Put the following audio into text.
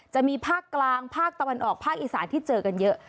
จะมีภาคกลางภาคตะวันออกภาคอีสานที่เจอกันเยอะ